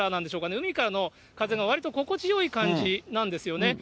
海からの風が、わりと心地よい感じなんですよね。